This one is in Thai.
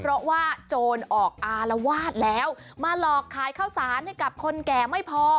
เพราะว่าโจรออกอารวาสแล้วมาหลอกขายข้าวสารให้กับคนแก่ไม่พอ